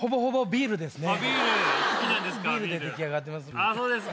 ビールで出来上がってます。